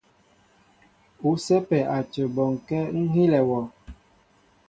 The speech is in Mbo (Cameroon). U sɛ́pɛ́ a cə bɔnkɛ́ ŋ́ hílɛ wɔ.